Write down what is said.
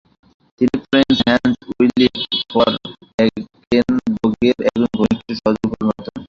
তিনি prince Hans Ulrich von এগেনবের্গের একজন ঘনিষ্ঠ সহযোগীতে পরিণত হন।